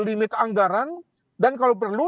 limit anggaran dan kalau perlu